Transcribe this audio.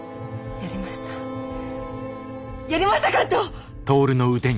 やりました艦長！